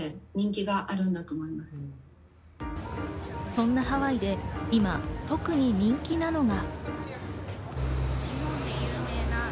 そんなハワイで今、特に人気なのが。